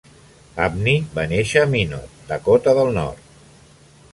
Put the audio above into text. Abney va néixer a Minot, Dakota del Nord.